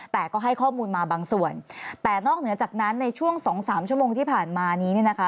แต่ก็ให้ข้อมูลมาบางส่วนแต่นอกเหนือจากนั้นในช่วงสองสามชั่วโมงที่ผ่านมานี้เนี่ยนะคะ